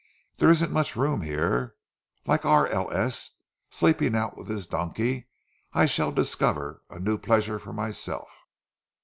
There isn't much room here. Like R. L. S. sleeping out with his donkey I shall discover a new pleasure for myself."